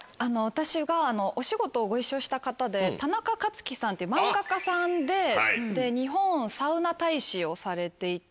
私がお仕事ご一緒した方でタナカカツキさんっていう漫画家さんで日本。をされていて。